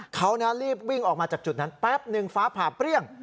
เขารีบวิ่งออกมาจากจุดนั้นแป๊บนึงฟ้าผ่าเปรี้ยง